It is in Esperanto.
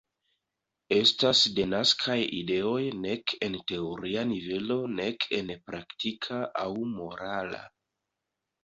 Estas denaskaj ideoj nek en teoria nivelo nek en praktika aŭ morala.